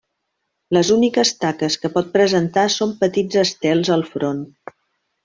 Les úniques taques que pot presentar són petits estels al front.